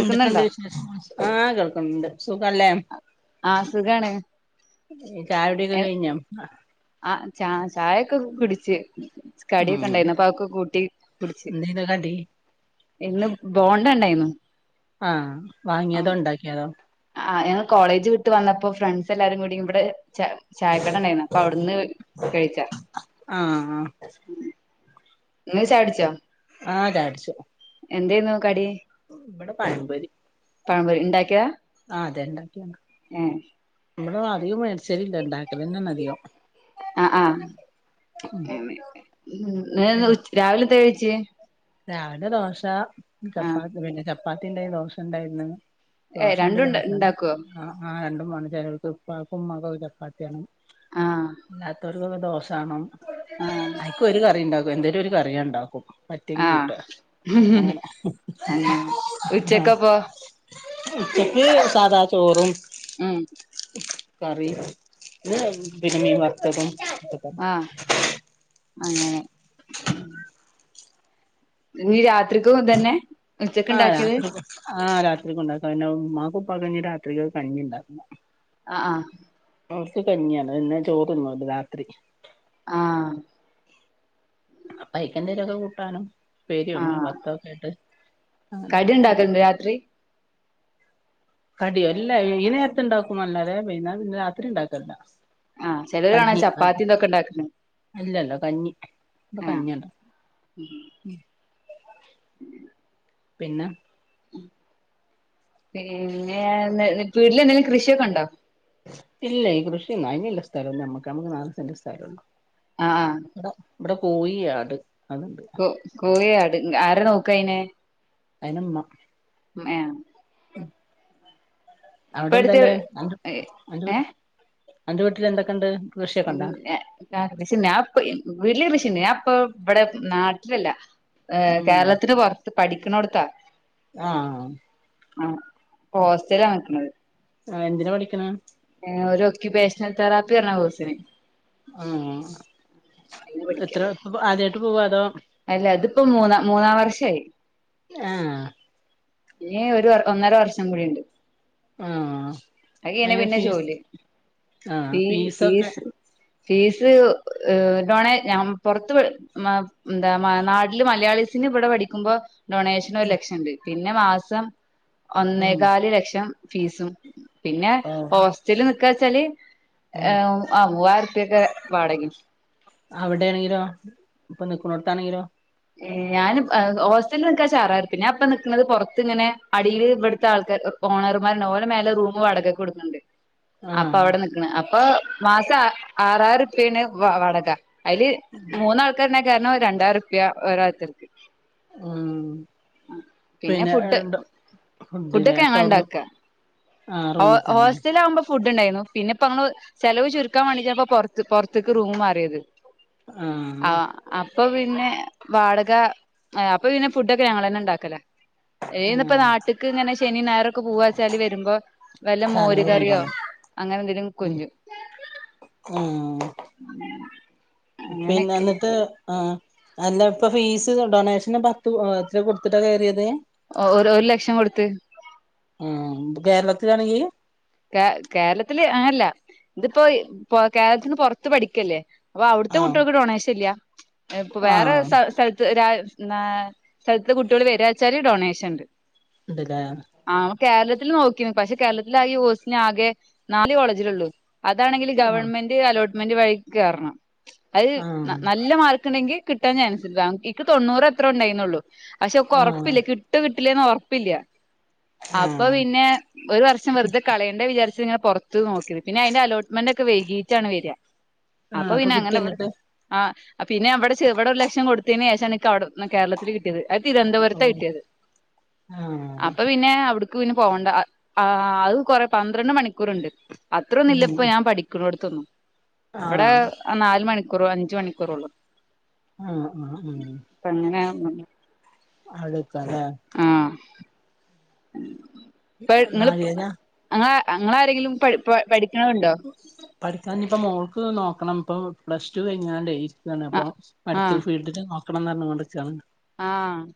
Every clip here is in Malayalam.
എന്തുട്ടുണ്ട് വിശേഷം ആഹ് കേൾക്കുന്നുണ്ട് സുഖല്ലേ ആഹ് സുഖാണ് ചായുടിയൊക്കെ കഴിഞ്ഞോ ആഹ് ചാ ചായൊക്കെ കുടിച്ച് കടിയൊക്കെ ഉം ഉണ്ടായിന്നു അപ്പോ അതൊക്കെ കൂട്ടി കുടിച്ചു എന്തേനു കടി ഇന്ന് ബോണ്ടയുണ്ടായിരുന്നു ആഹ് വാങ്ങിയതോ ഉണ്ടാക്കിയതോ ആഹ് ഞങ്ങള് കോളേജ് വിട്ട് വന്നപ്പോ ഫ്രണ്ട്സ് എല്ലാരും കൂടി ഇവിടെ ചായക്കട ഉണ്ടായിരുന്നു അപ്പൊ അവിടുന്ന് കഴിച്ചാ ആഹ് ആഹ് ങ്ങള് ചായ കുടിച്ചോ ആ ചാടിച്ചു എന്തേയ്ര്ന്നു കടി ഇവടെ പഴംപൊരി പഴംപൊരി ണ്ടാക്ക്യതാ ആ അതെ ണ്ടാക്ക്യതാ എ ഇവടൊന്നും അധികം വേട്ച്ചലില്ല ണ്ടാക്കലെന്നെണധികം ആ ആ [inaudible] ഇന്നലെന്ത് പിന്നെ ഉച് രാവിലെന്താ കഴിച്ചേ രാവിലെ ദോശ, ആഹ് ചപ്പാത്തി പിന്നെ ചപ്പാത്തിണ്ടേ ദോശണ്ടായിര്ന്ന് ഏഹ് ദോശണ്ട് രണ്ടും [unintelligible] ഉണ്ടാക്കുവോ ആ ആ രണ്ടുമ്മാണം ചെലോൽക്ക് പ്പാക്കും മ്മാക്കൊക്കെ ചപ്പാത്തിയാണ് ആഹ് അല്ലാത്തോ ൽക്കൊക്കെ ദോശാണം ആഹ് അയ്ൽക്ക് ഒരു കറി ണ്ടാക്കും എന്തെലും ഒരു കറി ഞാൻ ണ്ടാക്കും പ റ്റെങ്ങി കൂട്ട ആഹ് അങ്ങനെ അങ്ങനെ ഉച്ചക്കപ്പോ ഉച്ചക്ക് സാധാ ചോറും ഉം കറീം [unintelligible] പിന്നെ മീൻ വർത്തതും ആ അങ്ങനെ ഇനി രാത്രിക്കും ഇതെന്നെ ആ രാത്രിക്കും ആ രാത്രിക്കുണ്ടാക്ക ആ മ്മാക്കും ഉപ്പാക്കും ഞ്ഞി രാത്രിക്കക്ക് കഞ്ഞി ണ്ടാക്കണം ആ ആ ഓൽക്ക് കഞ്ഞിയാണ് പിന്നെ ചോറ് തിന്നുല്ല രാത്രി ആ അപ്പയ്ക്കെന്തെലൊക്കെ കൂട്ടാനും പ്പേരിയും മീൻ വർത്തൊക്കായിട്ട് കടിണ്ടാക്കല്ണ്ടോ രാത്രി കടിയോ ഇല്ല ഈ നേരത്ത് ണ്ടാക്കുംന്നല്ലാതെ വൈന്നാരം രാത്രി ണ്ടാക്കലില്ല ആ ചെലോല് കാണാ ചപ്പാത്തി ഇതൊക്കെ ണ്ടാക്ക്ണ് ഇല്ലല്ല കഞ്ഞി ഇപ്പം കഞ്ഞി ആണ് [unintelligible] ഉം പിന്നെ പിന്നെ വീട്ടിലെന്തെലും കൃഷിയൊക്കെണ്ടോ ഇല്ലേ കൃഷിഒന്നും അയ്ന്ള്ള സ്ഥലൊന്നും നമ്മക്ക് നമ്മക്ക് നാല് സെന്റ് സ്ഥലൊള്ളു ആ ആ വ്ടെ വ്ടെ കോഴി, ആട്. അത്ണ്ട് കോ കോഴി, ആട് ആരാ നോക്കയ്നെ അയ്നെമ്മ ഉമ്മേ ഇപ്പ അടുത്ത് അവടെന്താല്ലേ ഏഹ് അന്റെ വീട്ടിലെന്തൊക്കെണ്ട് ഉം കൃഷിണ്ട് പ്പൊ വീട്ട്ല് കൃഷിണ്ട് ഞാപ്പ ഇവടെ നാട്ടിലല്ല ഏ ഉം കേരളത്തിന് പൊർത്ത് പഠിക്ക്ണോട്ത്താ ആഹ് ആ ഹോസ്റ്റലാ നിക്ക്ണത് ആ എന്തിനാ പടിക്കണത് ഏ ഒരു ഒക്യുപേഷണൽ തെറാപ്പി പർഞ്ഞ കോഴ്സിന് ആ അയിന് പഠിക്ക എത്ര ആദ്യായിട്ട് പോവാ അതോ അല്ല ഇതിപ്പോ മൂന്ന മൂന്നാം വർഷായി ആ ഇനി ഒര് വർ ഒന്നര വർഷങ്ങൂടിണ്ട് ആ കഴിഞ്ഞ് കഴിഞ്ഞാ പിന്നെ ജോലി ആഹ് ഫീ ഫീസൊക്കെ ഫീസ് ഫീസ് ഡോണേ ഞാ പുറത്ത് മ് എന്താ നാട്ടില് മലയാളിസിന് ഇവിടെ പഠിക്കുമ്പോ ഡൊണേഷൻ ഒരു ലക്ഷണ്ട് പിന്നെ മാസം ഉം ഒന്നേകാല് ലക്ഷം ഫീസും പിന്നെ ഓഹ് ഹോസ്റ്റല് നിക്കാച്ചാല് ഉം ആ മൂവായിരം റുപ്യാക്കെ വാടകേ അവിടെ ആണെങ്കിലോ ഇപ്പൊ നിക്കുന്നോടുത്ത് ആണെങ്കിലോ ഏഹ് ഞാൻ ഹോസ്റ്റലിൽ നിക്കാച്ചാ [unintelligible] ഞാ ഇപ്പ നിക്കുന്നത് പുറത്ത് ഇങ്ങനെ അടിയില് ഇവിടുത്തെ ആൾക്കാ ഓണർമാരാണ് ഓല് മേലെ റൂമ് വാടകക്ക് കൊടുക്കുന്നുണ്ട് അപ്പൊ ആഹ് അവിടെ നിക്കണ് അപ്പൊ മാസം ആറാറം റുപ്പി യാണ് വാടക അയില് മൂന്നാൾക്കാരന്നെ കേറണേ രണ്ടായിരം റുപ്യ ഒരാൾക്ക് ഉം പിന്നെ ഫുഡ് ഫുഡ് ലെ ഫുഡൊക്കെ ഒക്കെ ഞങ്ങള് അവിടുന്ന് ഇണ്ടാക്ക ആഹ് ഹോ റൂമിൽ തന്നെ ഹോസ്റ്റലാമ്പ ഫുഡ് ഇണ്ടായിരുന്നു പിന്നെ ഇപ്പോ അമ്മള് ചെലവ് ചുരുക്കൻ വേണ്ടിട്ടാപ്പൊ പുറത്ത് പുറത്തക്ക് റൂം മാറിയത് ആഹ് അപ്പൊ പിന്നെ വാടക അപ്പൊ പിന്നെ ഫുഡൊക്കെ ഞങ്ങ തന്നെ ഇണ്ടാക്കലാ ഏഹ് ഇന്നിപ്പോ ആഹ് നാട്ടിക്ക് ഇങ്ങനെ ശനിം ഞായറൊക്കെ പൂവാച്ചാല് വരുമ്പോ വല്ല മോര് സാധനങ്ങൾ കറിയോ കൊണ്ടോവല അങ്ങനെ എന്തേലും ഉം കൊഞ്ചും ആഹ് അ പിന്നെ എന്നിട്ട് ആഹ് അല്ല ഇപ്പൊ ഫീസ് ഡൊണേഷൻ പത്ത് കൊടുത്തിട്ടാ കേറിയത് ഒരു ലക്ഷം കൊടുത്ത് ആ കേരളത്തിലാണെങ്കില് കേ കേരളത്തില് അങ്ങല്ല ഇതിപ്പോ കേരളത്തിന്ന് പുറത്ത് പഠിക്കല്ലേ അപ്പൊ അവിടുത്തെ ആഹ് കുട്ടികൾക്ക് ഡൊണേഷൻ ഇല്ല ഇപ്പൊ വേറെ ആഹ് സ്ഥലത്ത് രാ എന്നാ സ്ഥലത്ത് കുട്ടികൾ വരികാച്ചാല് ഡൊണേഷൻ ഇണ്ട് അതേല്ലേ ആ അമ്മ കേരളത്തില് നോക്കി പക്ഷെ കേരളത്തിലെ ആ ഈ കോഴ്സ് ആകെ നാല് കോളേജിലേ ഉള്ളു അതാണെങ്കി ആഹ് ഗവൺമെന്റ് അലോട്ട്മെന്റ് വഴി കേറണം അത് ആഹ് നല്ല മാർക്ക് ഇണ്ടെങ്കി കിട്ടാൻ ചാൻസ് [unintelligible] എൻക്ക് തൊണ്ണൂറ് എത്ര ഉണ്ടായിരുന്നുള്ളൂ പക്ഷെ ആഹ് ഉറപ്പില്ല കിട്ടോ കിട്ടില്ലേന്ന് ഉറപ്പില്ല അപ്പൊ ആഹ് പിന്നെ ഒരു വർഷം വെറുതെ കളയണ്ട വിചരിച്ച് ഇങ്ങനെ പുറത്ത് നോക്കിയത് പിന്നെ അയിന്റെ അലോട്ട്മെന്റ് ഒക്കെ വൈകീട്ടാണ് വരിക ആഹ് അപ്പൊ പിന്നെ കിട്ടി അങ്ങനെ ഇവിടെ എന്നിട്ട് ആ പിന്നെ അവിടെ ഇവിടെ ഒരു ലക്ഷം കൊടുത്തേന് ശേഷാണ് എനിക്ക് അവിടെ കേരളത്തില് കിട്ട ത് അത് തിരുവനന്തപുരത്താ ഓഹ് കിട്ടിയത് ആഹ് അപ്പൊ പിന്നെ അവിടു ക്ക് പിന്നെ പോവണ്ട ആ അത് കൊറെ പന്ത്രണ്ട് മണിക്കൂറിണ്ട് അത്രൊന്നുല്ല ഉം ഇപ്പ ഞാൻ പഠിക്കുന്നോട്ത്തൊന്നും ഇവിടെ ആഹ് നാല് മണിക്കൂറ് അഞ്ച് മണിക്കൂറേ ഉള്ളു ആഹ് ആഹ് ആഹ് അപ്പ അങ്ങനെ [unintelligible] ആ ഇപ്പ നിങ്ങള് നാരങ്ങ അ അങ്ങളാരേലും പഠി പഠിക്കണ ഉണ്ടോ പഠിക്കാൻ ഇപ്പ മോൾക്ക് നോക്കണം ഇപ്പ പ്ലസ് ടു കഴിഞ്ഞാണ്ടേ ആ അപ്പൊ ആ മെഡിക്കൽ ഫീൽഡിൽ നോക്കണംന്ന് പറഞ്ഞു കൊണ്ട് നിക്കാണ് ആഹ്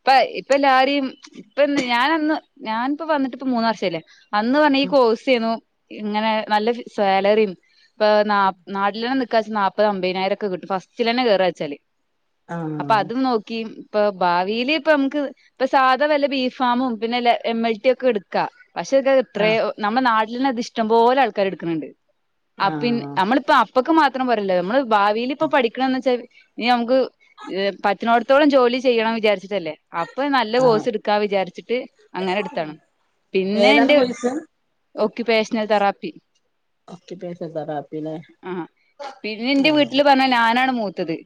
ഇപ്പ ഇപ്പൊ എല്ലാരിം ഇപ്പന്ന് ഞാനന്ന് ഞാനിപ്പോ വന്നിട്ട് ഇപ്പ മൂന്നാർഷായില്ലേ അന്ന് പറഞ്ഞ ഈ ഉം കോഴ്സ് ചെയ്യുന്നു ഇങ്ങനെ നല്ല സാലറിയും ഇപ്പ ന നാട്ടിലന്നെ നാല്പ്പത് അമ്പതിനായിരം ഒക്കെ കിട്ടും ഫസ്റ്റില തന്നെ കേറുകാ വെച്ചാല് അപ്പൊ ആഹ് അത് നോ ക്കി ഇപ്പൊ ഭാവില് ഇപ്പ നമുക്ക് ഇപ്പൊ സാധാ വല്ല ബീഫ് ഫാമും പിന്നെല്ല എം എൽ ടി ഒക്കെ എടുക്കാം പക്ഷെ ഇത് ആഹ് അത്രയോ നമ്മുടെ നാട്ടിൽ തന്നെ അത് ഇഷ്ടംപോലെ ആൾക്കാര് എടുക്കണിണ്ട് അ പിൻ നമ്മളിപ്പ ഇപ്പൊക്ക് മാത്രം പറയല്ലോ നമ്മള് ഭാവിൽ ഇപ്പ പഠിക്കണന്ന് വെച്ചാൽ ഇനീ നമുക്ക് പറ്റുന്ന ത്തോളം ജോലി ചെയ്യണം വിചാരിച്ചിട്ടല്ലേ അപ്പൊ നല്ല ആഹ് കോഴ്സ് എടുക്കാ വിചാരിച്ചിട്ട് അങ്ങനെ എടുത്താണ് പിന്നെ ഏതാണ് എന്റെ,, course occupational therapy occupation തെറാപ്പിലെ ആഹ് പിന്നെ എന്റെ ആഹ് വീട്ടില് പറഞ്ഞാ ഞാനാണ് മൂത്തത്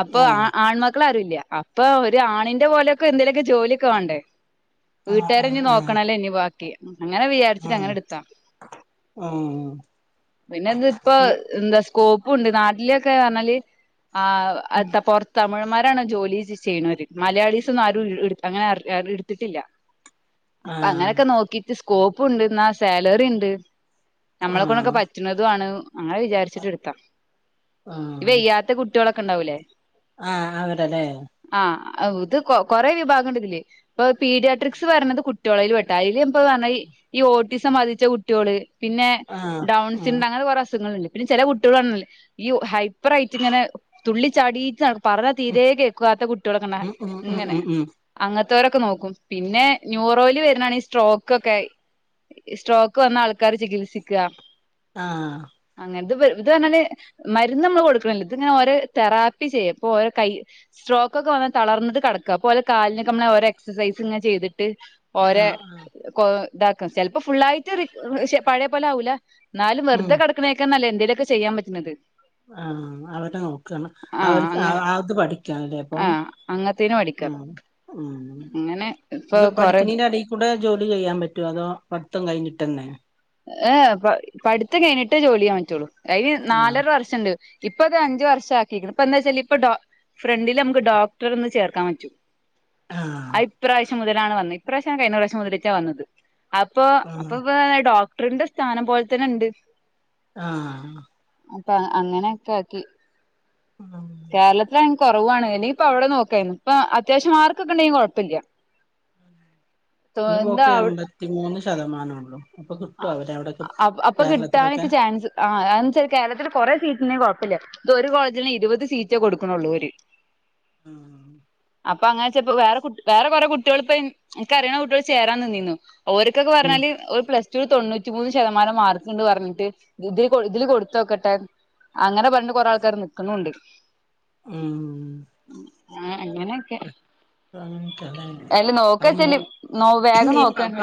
അപ്പൊ ആ ആഹ് ആൺമക്കൾ ആരുുംല്ല അപ്പൊ ഒരു ആണിന്റെ പോലെയൊക്കെ എന്തേലുമൊക്കെ ജോലീക്ക്‌ വേണ്ടേ വീട്ടുകാരനിീ ആഹ് ആഹ് നോക്കണല്ലേ ഇനി ബാക്കി അങ്ങനെ വിചാരിച്ചിട്ട് ആഹ് അങ്ങനെ എടുത്താ ആഹ് ആഹ് പിന്നെ ഇതിപ്പോൊ,, എന്താ സ്കോപ്പ് ഉണ്ട് നാട്ടിലൊക്കെ പറഞ്ഞാല് ആ ഉം പുറത്ത് തമിഴന്മാരാണ് ജോലി സി ചെയ്യണൊരു മലയാളീസൊന്നും ആരും അങ്ങനെ എടുത്തിട്ടില്ല അപ്പ ആഹ് അങ്ങനെയൊക്കെ നോക്കിട്ട് സ്കോപ്പ് ഉണ്ട് എന്നാ സാലറി ഉണ്ട് നമ്മളെ കൊണ്ടൊക്കെ ആഹ് പറ്റുന്നതു ആണ് അങ്ങനെ വിചാരിച്ചിട്ട് എടുത്താ ആഹ് ഇവെയ്യാത്ത കുട്ടി കുട്ടികളൊക്കെ ഉണ്ടാവില്ലേ ആഹ് അവരല്ലേ ആഹ് ഇത് കൊറെ വിഭാഗംണ്ട് ഇതില് ഇപ്പൊ പീഡിയാട്രിക്സ് പറയണത് കുട്ടികളൽ പട്ട അതില് ഇപ്പൊ പറഞ്ഞ ഈ ഒട്ടിസം ബാധിച്ച കുട്ടികള് പിന്നെ ആഹ് ഉം ഡൗൺസിണ്ട്രാ അങ്ങനെ കുറെേ അസുഖങ്ങൾഇല്ലേ പിന്നെ ചെല കുട്ടികളാണല്ലേ ഈ ഹൈപ്പർ ആയിട്ട് ഇങ്ങനെ തുള്ളി ചാടിട്ട് പറഞ്ഞ തീരേകേക്ക് നക്കാത്ത കുട്ടികളൊക്കെ ഉം ഉം ഉം ഇങ്ങനെ ഉം ഉം അങ്ങനത്തെവരൊക്കെ നോക്കും പിന്നെ ന്യൂറോൽ വരുന്നാണ് ഈ സ്ട്രോക്ക്ക്കെ സ്ട്രോക്ക് വന്ന ആൾക്കാർ ചികിത്സിക്കുക ആഹ് അങ്ങനെത് ഇത് പറഞ്ഞല് [unintelligible] മരുന്ന് നമ്മൾ കൊടുക്കണില്ല ഇതിങ്ങനെ ഓരോ തെറാപ്പി ചെയ്യും അപ്പൊ ഓരോ കൈ സ്ട്രോക്ക് ഒക്കെ വന്നാൽ തളർന്നിട്ട് കടക്കുക അപ്പോകാലിനൊക്കെ നമ്മെ ഓരോക്സൈസും ഇങ്ങെ ചെയ്തിട്ട് ഓര ആഹ് ആഹ് കൊ ഇതാക്കും ചെിലപ്പോ ഫുുള്ളായിട്ട് റീ പഴയ പോലെ ആവൂല എന്നാലും വെറുത ഉം കടക്കണേക്കാന്നല്ലേ എന്തേലുമൊക്കെ ചെയ്യൻപറ്റുന്നത് ആഹ് അവരെ നോക്കാണ് അവര് അങ്ങ ആത് പഠിക്ക ണല്ലേ അപ്പം ആഹ് അങ്ങത്തേന് പഠിക്കാം ഉം ഉം അങ്ങനെ ഇപ്പൊ പ്പം കൊറെ പഠിക്കിണില്ലടി കൂടെ ജോലി ചെയ്യാൻ പറ്റുവോ അതോ പടി ത്തം കഴിഞ്ഞിട്ട് തന്നെ ഏഹ് പ പടിത്തം കഴിഞ്ഞിട്ട് ജോലി ചെയ്യാൻ പറ്റുള്ളു അതിന് ആഹ് നാലര വർഷണ്ട് ഇപ്പൊ അത് അഞ്ചുർഷ ആക്കിയി ഇപ്പ എന്താ വെച്ചാൽ ഇപ്പൊ ഫ്രണ്ടില് നമുക്ക് ഡോക്ടർ എന്ന് ചേർക്കാൻ പറ്റും ആഹ് ആയിപ്രാവശ്യം മുതലാണ് വന്നത് ഇപ്രാവശ്യമാണ് കഴിഞ്ഞ പ്രാവശ്യം മുതലേട്ടാ വന്നത് അപ്പൊ ആഹ് അപ്പോ പ്പോ ഡോക്ടറിന്റെ സ്ഥാനം പോലെ തന്നെ ഉണ്ട് ആഹ് അപ്പൊ അങ്ങനെയൊക്കെ ആക്കി ഉം കേരളത്തി,, കുറവാണ് ഇനിപ്പോ അവിടെ നോക്കുവായിരുന്നു ഇപ്പ അത്യാവ്യം മാർക്ക ഉണ്ടെങ്കിൽ കുഴപ്പമില്ല എന്താ ഇന്റെുമോക്ക് എമ്പത്തിമൂന്ന് ശതമാനം ഉള്ളു അപ്പൊ കിട്ടോ അവര് അവിടെൊക്കെ കേരളത്തിലൊക്കെ ആഹ് അതന്നുവെച്ചാൽ കേരളത്തിത്തില് കുറെേ സീറ്റിന് കുഴപ്പമില്ല ഇത് ഒരു കോളേജിന് ഇരുപത് സീറ്റ കൊടുക്കണള്ളൂര് ആഹ് അപ്പൊ അങ്ങനെപ്പോ വേറെ കു വേറെ കുറെ കുട്ടികളിപ്പ എനക്ക് അറിയുന്ന കുട്ടികൾ ചേരാൻ നിന്നിന്നുഓര് ഇതക്കെ ഉം പറഞ്ഞാലി ഒരു പ്ലസ് തൊണ്ണൂറ്റി മൂന്ന് ശതമാനം മാർക്കണ്ട് പറഞ്ഞിട്ട് ഇതില് ഇതില് കൊടുത്തോക്കട്ടെ അങ്ങനെ പറഞ് കൊറെേ ആൾക്കാാര് നക്കുന്നുണ്ട് ഉം ആഹ് അങ്ങനെ അങ്ങനെയോക്കെയല്ലേ നോക്ക ഉം വെച്ചല് നോ വേഗം ന്നിപ്പാപ്പ നോക്കണ്ട്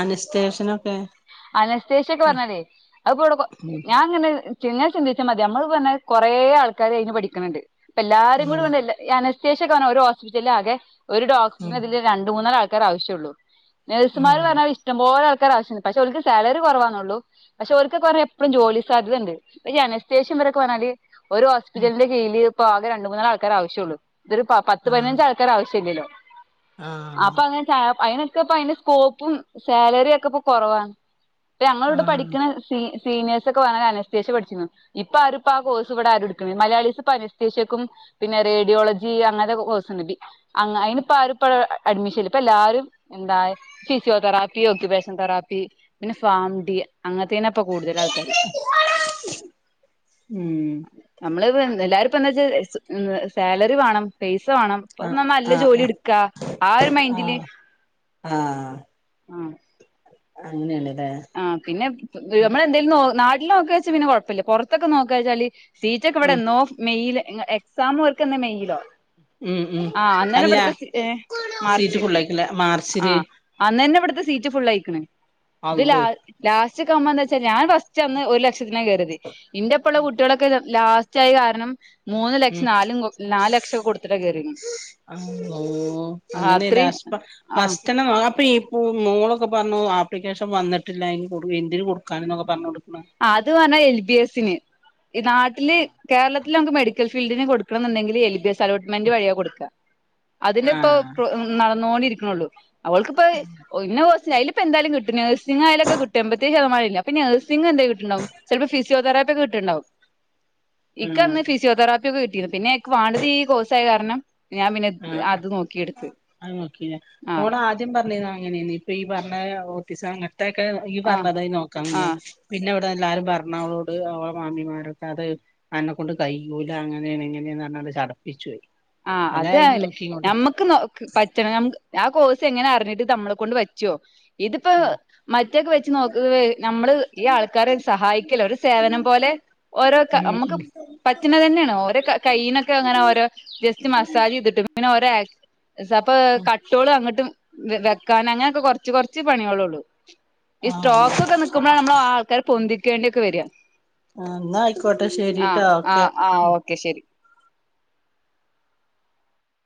അനസ്തെഷനൊക്കെ അനസ്തേഷ്യ ഒക്കെ പരഞ്ഞാലേ അത് അപ്പോ ഇവിടെ ഉം ഞാൻ ങ്ങന് ഇങ്ങനെ ചിന്തിച്ചാ മതി നമ്മള് പറഞ്ഞ കൊറേ ആൾക്കാര് അയിന് പഠിക്കുനുണ്ട് പ്പാ എല്ലാരും കൂടി ഉം [unintelligible] ഈ അനസ്തേഷ്യക്കെ [unintelligible] ഒരു ഹോസ്പിറ്റല് ആകെ ഒരു ഡോക്ടറിന് ഉം അതില് രണ്ട് മൂന്നാല് ആൾക്കാരെ ആവശ്യള്ളൂ നേഴ്സുമാർ ഉം പറഞ്ഞാ ഇഷ്ടംപോലെ ആൾക്കാരെ ആവശ്യണ്ട് പക്ഷേ ഓല്ക്ക് സാലറി കുറവാന്നേള്ളൂ. പക്ഷെ ഓര്ക്ക് കുറെ എപ്പളും ജോലി സാധ്യതണ്ട് പക്ഷെ അനസ്തേഷ്യ വരെ [unintelligible] ഒരു ഉം ഹോസ്പിറ്റലിന്റെ കീഴിൽ ഇപ്പം ആകെ രണ്ട് മൂന്ന് ആൾ ആൾക്കാരെ ആവശ്യള്ളു ഇത് ഒരു ആഹ് പപത്തുപതിനഞ്ച് ആൾക്- ക്കാരെ ആവശ്യല്ലല്ലോ ആഹ് അപ്പൊ അങ്ങന്- സാപ്പ് അയിനൊക്കെ ഇപ്പ അയിന്റെ സ്കോപ്പും സാലറി ഒക്കെ ഇപ്പൊ കൊറവാ. ട്ട് അമ്മളിവിടെ ആഹ് പഠിക്കുന്ന സീ സീനിയേഴ്സ് ഒക്കെ വേണേൽ അനസ്തേഷ്യ പഠിച്ചിരുന്നു ഇപ്പൊ ആരും ഇപ്പോ ആ കോഴ്സ് ഇവിടാരും എടുക്കണില്ല മലയാളീസ് ഇപ്പം അനസ്തേഷ്യക്കും പിന്നെ റേഡിയോളജി അങ്ങനത്തെ കോ കോഴ്സ്ണ്ട് ബി അങ്ങ അയിനിപ്പ ആരു ഇപ്പോ അഡ്മിഷൻ ഇല്ല ഇപ്പ എല്ലാരും എന്താ ഫിസിയോതെറാപ്പിയും ഓക്കുപേഷൻ [unintelligible] തെറാപ്പി പിന്നെ ഫാംഡി അങ്ങനത്തേന്നെപ്പൊ കൂടുതൽ ആൾക്കാർ [unintelligible] ഉം നമ്മള് വ് എല്ലാരുപ്പ എന്ന്ച് [unintelligible] സാലറി വേണം പൈസ വേണം ആഹ് പ്പ്ന്നാ നല്ല ആഹ് ജോലി ആഹ് എടുക്കാ ആ ഒരു മൈൻഡില് ആഹ് [inaudible] ആഹ് ആഹ് അങ്ങന്ണ് ലെ ആഹ് പിന്നെ ഗേ നമ്മെളെന്തേലും നോ നാട്ടില് നോക്കി വെച് പിന്നെ കുഴപ്പില്ല പുറത്തൊക്കെ നോക്കവെച്ചാല് സീറ്റ് ഒക്കെ ഉം ഇവിടെന്നോ മേയ്ൽ എങ്എക്സാം ഇവർക്കെന്നാ മെയിലോ ഉം ഉം ആ അന്നേരം അല്ല ഇവിടുത്തെ സി എ സീറ്റ് മാർച്ച് ഫുള്ളായിക്കില്ല മാർച്ചില് ആഹ് അന്ന്ന്നെ ഇവിടുത്തെ സീറ്റ് ഫുള്ളായിക്കണ് ഇത് ലാ അള്ളോയ് ലാസ്റ്റ് കമ്മന്ന് വച്ചാ ഞാൻ ഫസ്റ്റ് അന്ന് ഒരു ലക്ഷത്തിന് കയറിത് ഇന്റെപ്പള്ള കുട്ടികളൊക്കെത് ലാസ്റ്റ് ആയി കാരണം മൂന്ന് ഉം ലക്ഷം നാലും നാലു ലക്ഷോക്കെ കൊടുത്തിട്ട കേറിണ്. അള്ളോ അങ്ങനെ ലാസ്റ്റ്പ്പ ഫസ്റ്റന്നെ അപ്പൊ ഈ മ് മോളൊക്കെ പറഞ്ഞു ആപ്ലിക്കേഷൻ വന്നിട്ടില്ല എങ് കൊടു എന്തിന് കൊടുക്കാൻ എന്നൊക്കെ പറഞ്ഞോണ്ട് നി [unintelligible] ആ അത്റഞ്ഞാ എൽ ബി എസിന് ഈ നാട്ടില് കേരളത്തില് മ്മക്ക് മെഡിക്- ക്കൽ ഫീൽഡിന് കൊടുക്കണന്നുണ്ടെങ്കിൽ എൽ ബി എസ് അലോട്ട്മെന്റ് വഴിയ കൊടുക്ക അതിന്റെ ഇപ്പ ആഹ് പ്രൊ ഉം - നടന്നോണ്ടിരിക്കണള്ളൂ അവൾക്ക്പ്പോ [unintelligible] സ് അയിലിപ്പോ എന്തായാലും കിട്ടും നഴ്സിംഗ് ആയാലക്കെ കിട്ടും എമ്പത്തേഴ് ശതമാനം ഇല്ലേ അപ്പൊ ഇനി നേഴ്സ്- സിംഗ് എന്തേ കിട്ടുണ്ടാവും ചിലപ്പോ ഫിസിയോതെറാപ്പിയൊക്കെ കിട്ടുണ്ടാവും ആഹ് ഇക്കന്ന് ഫിസിയോതെറാ- പ്പിക്ക് കിട്ടീന്ന് പിന്നെ എക്ക് വാണ്ടത് ഈ കോഴസായ കാരണം ഞാൻ പിന്നെ ആഹ് അ അത് നോക്കിയെടുത്ത് അത് നോക്കില്ലേ ആഹ് ഓൾ ആദ്യം പറഞ്ഞിരുന്ന അങ്ങനെയന്ന് ഇപ്പൊ ഈ പറഞ്ഞ ഓഫീസ്അ- ത്തക്കെ ഈ ആഹ് പറഞ്ഞതായി നോക്കാന്ന് ആഹ് പിന്നെ ഇവിടെ എല്ലാരും പറഞ്ഞവളോട് ഓളെ മാമി മാരൊക്കെ അത് എ- അന്നെ കൊണ്ട് കയ്യൂല അങ്ങനെയാണ് ഇങ്ങനെയന്ന് പറഞ്ഞാണ്ട് ചടപ്പിച്ചു പോയി ആഹ് അല്ല അയിന് അതാല്ലേ നോക്കിങ്ങോണ്ട് ഞമ്മക്- ക്ക് നോ ക് പറ്റണെ മ [unintelligible] ആ കോഴ്സ് എങ്ങനെ അറിഞ്ഞിട്ട് തമ്മളെ കൊണ്ട് വച്ചുവോ ഇതിപ്പോ ഉം മറ്റേക്ക് വെച്ച് നോക്കവെ നമ്മള് ഈ ആൾക്കാരെ സഹായിക്കല് ഒരു സേവനം പോലെ ഓരോക്കാ അമ്മക്ക് ഉം പറ്റെന്നത് തന്നെയാണ് ഓരോ ക കൈയിന്നൊക്കെ അങ്ങനെ ഓരോ ജസ്റ്റ് മസാജ്യ്തിട്ട് [unintelligible] അങ്ങനെ ഓരോ ആക്ട് അപ്പോ ഉം കട് റ്റൂൾ അങ്ങ്ട്ടും വെ വെക്കാൻ അങ്ങനെയൊക്കെ കുറച്ച് കുറച്ച് പണികളെ ളള്ളു ഈ ആഹ് സ്ട്രോക്ക് ഒക്കെ നിക്കുമ്പോഴാഅമ്മള് ആ ആൾക്കാര് പൊന്തിക്കേണ്ടി ഒക്കെ വരിയാ എന്നാ ആയിക്കോട്ടെ ആഹ് ശരിട്ടോ ആ ഓക്കെ ആഹ് ഓക്കെ ശരി